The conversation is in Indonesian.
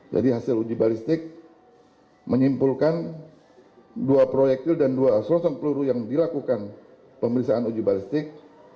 jadi hasil uji balistik menyimpulkan dua proyektil dan dua selongsong peluru yang dilakukan pemeriksaan uji balistik